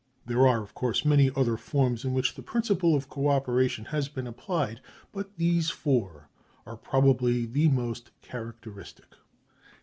There are, of course, many other forms in which the principle of co operation has been applied; but these four are probably the most characteristic.